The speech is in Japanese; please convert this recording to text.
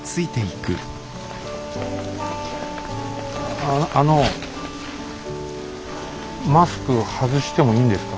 ああのマスク外してもいいんですか？